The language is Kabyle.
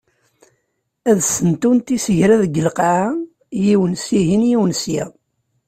Ad sentunt isegra deg lqaɛa, yiwen sihin, yiwen sya.